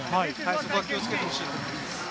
そこは気をつけてほしいと思います。